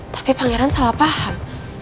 tapi pak ngeran salah paham